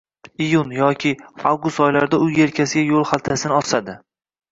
Iyun yoki avgust oylarida u yelkasiga yoʻlxaltasini osdi.